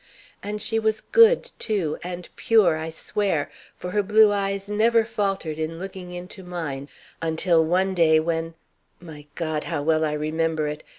And she was good, too, and pure, I swear, for her blue eyes never faltered in looking into mine until one day when my God! how well I remember it!